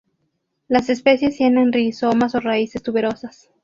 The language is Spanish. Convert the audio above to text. Las especies tienen rizomas o raíces tuberosas.